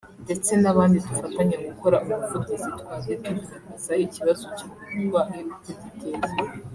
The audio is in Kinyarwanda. ndetse n’abandi dufatanya gukora ubuvugizi twagiye tugaragaza ikibazo cy’ubwo burwayi uko giteye